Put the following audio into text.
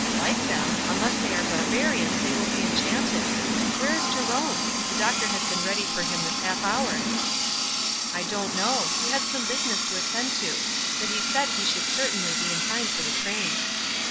"Like them! Unless they are barbarians, they Trill be enchanted. Where is Jerome? The doctor has been ready for him this half hour." "I don't know. He had some business to attend to ; but he said he should certainly be in time for the train."